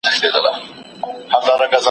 که يو انسان ازاد پيدا سوی وي ازادي يې حق دی.